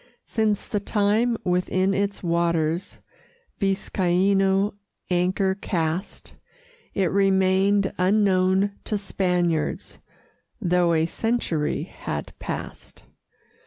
Since the time within its waters Viscaino anchor cast, It remained unknown to Spaniards, Though a century had passed.